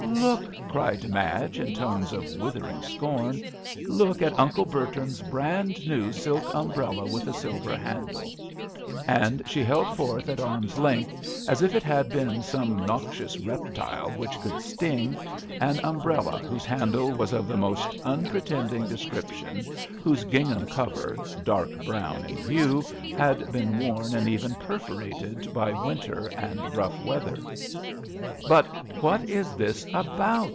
" Look!'* cried Madge, in tones of withering scorn — "look at Uncle Bertram's brand new silk umbrella, with the silver handle !" And she held forth at arm's length, as if it had been some .noxious reptile which could sting, an umbrella whose handle was of the most unpretending description, whose gingham cover — dark brown in hue — had been worn and even perforated by " winter and rough weather.'* "But what is this about?"